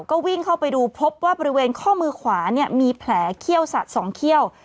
ก็วิ่งเข้าไปดูพบว่าบริเวณข้อมือขวาเนี่ยมีแผลเขี้ยวสะสองเขี้ยว